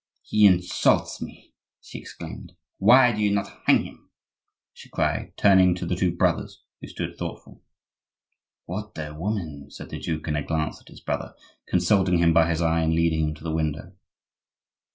"He insults me!" she exclaimed. "Why do you not hang him?" she cried, turning to the two brothers, who stood thoughtful. "What a woman!" said the duke in a glance at his brother, consulting him by his eye, and leading him to the window.